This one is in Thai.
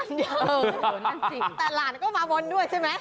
แต่หลานก็มาบนด้วยใช่ไหม